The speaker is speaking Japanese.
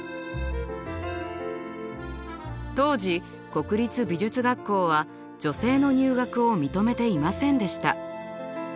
当時国立美術学校は女性の入学を認めていませんでした。